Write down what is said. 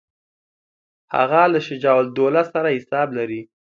هغه له شجاع الدوله سره حساب لري.